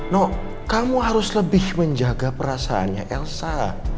nok kamu harus lebih menjaga perasaannya elsa